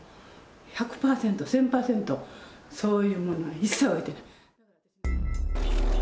１００％、１０００％、そういうものは一切置いてない。